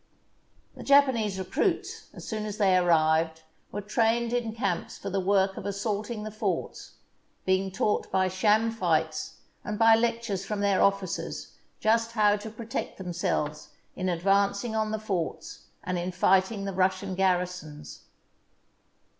The Japanese recruits, as soon as they arrived, THE BOOK OF FAMOUS SIEGES were trained in camps for the work of assaulting the forts, being taught by sham fights and by lectures from their officers just how to protect themselves in advancing on the forts and in fight ing the Russian garrisons.